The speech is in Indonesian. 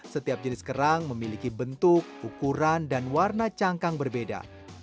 setiap jenis kerang memiliki bentuk ukuran dan warna cangkang berbeda